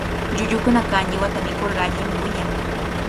Llullukuna kañiwata mikurqa allimi wiñan.